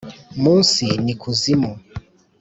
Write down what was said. munsi ni kuzimu,